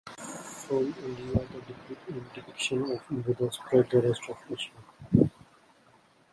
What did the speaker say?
From India the depiction of Buddha spread to the rest of Asia.